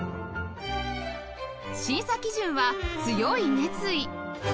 審査基準は強い熱意！